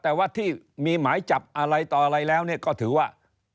แต่ว่าที่มีหมายจับอะไรต่ออะไรแล้วเนี่ยก็ถือว่า